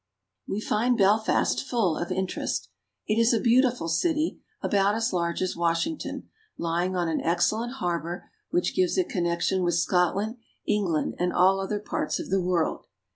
We find Belfast full of interest. It is a beautiful city, about as large as Washington, lying on an excellent har bor which gives it connection with Scotland, England, and all other parts of the world.